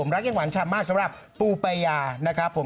รักอย่างหวานฉ่ำมากสำหรับปูปัญญานะครับ